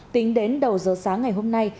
tính đến đầu giờ sáng ngày hôm nay